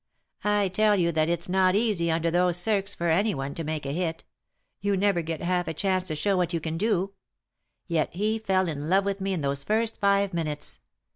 I tell you that it's not easy, under those circs., for anyone to make a hit ; you never get half a chance to show what you can do ; yet he fell in love with me in those first five minutes.